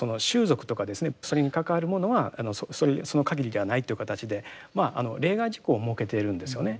それに関わるものはその限りではないっていう形でまあ例外事項を設けているんですよね。